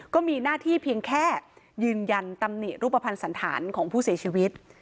ก็มีหน้าที่เพียงแค่ยืนยันตำหนิรูปภัณฑ์สันธารของผู้เสียชีวิต